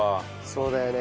そうだよね。